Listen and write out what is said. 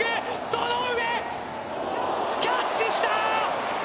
その上、キャッチした！！